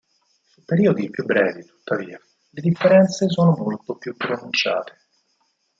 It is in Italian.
Su periodi più brevi tuttavia, le differenze sono molto più pronunciate.